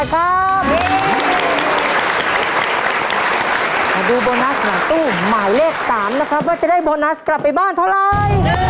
มาดูโบนัสหลังตู้หมายเลข๓นะครับว่าจะได้โบนัสกลับไปบ้านเท่าไร